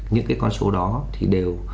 những cái con số đó thì đều